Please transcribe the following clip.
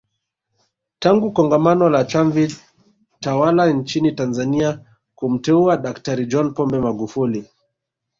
Tangu kongamano la Chama tawala nchini Tanzania kumteua Daktari John Pombe Magufuli